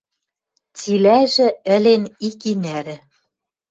Цилӓжӹ ӹлен ик и нӓрӹ